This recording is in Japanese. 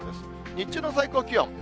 日中の最高気温。